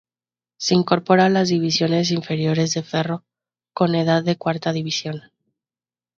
Se incorpora a las divisiones inferiores de Ferro con edad de cuarta división.